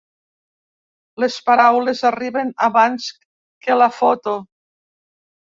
Les paraules arriben abans que la foto.